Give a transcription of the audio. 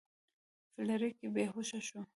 فلیریک بې هوښه شو.